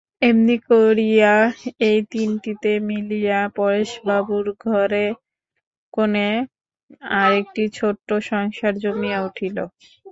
এমনি করিয়া এই তিনটিতে মিলিয়া পরেশবাবুর ঘরের কোণে আর-একটি ছোটো সংসার জমিয়া উঠিল।